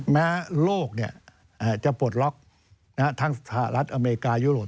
แม้โลกจะปวดล็อกทั้งศาลัทธิ์อเมริกายุโรป